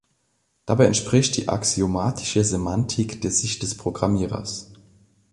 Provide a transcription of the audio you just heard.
Dabei entspricht die axiomatische Semantik der Sicht des Programmierers.